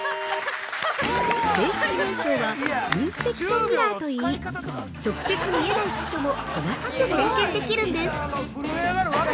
正式名称はインスペクションミラーといい直接見えない箇所も細かく点検できるんです。